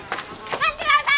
待ってください！